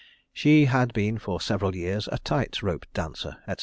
She had been for several years a tight rope dancer, &c.